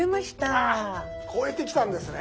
あ超えてきたんですね。